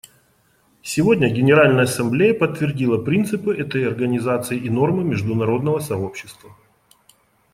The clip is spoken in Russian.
Сегодня Генеральная Ассамблея подтвердила принципы этой Организации и нормы международного сообщества.